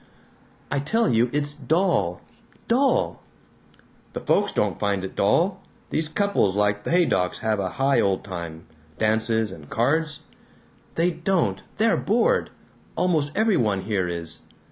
"I tell you it's dull. DULL!" "The folks don't find it dull. These couples like the Haydocks have a high old time; dances and cards " "They don't. They're bored. Almost every one here is.